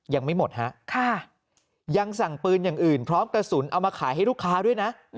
ยังไม่หมดฮะยังสั่งปืนอย่างอื่นพร้อมกระสุนเอามาขายให้ลูกค้าด้วยนะ